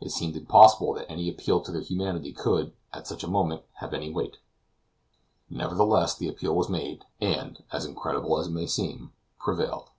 It seemed impossible that any appeal to their humanity could, at such a moment, have any weight; nevertheless, the appeal was made, and, incredible as it may seem, prevailed.